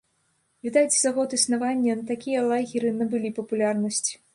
Відаць, за год існавання такія лагеры набылі папулярнасць.